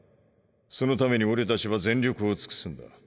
そのために俺たちは全力を尽くすんだ。